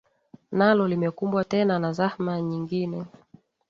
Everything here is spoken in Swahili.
nalo limekumbwa tena na zahma nyingine